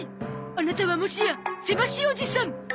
アナタはもしやせましおじさん！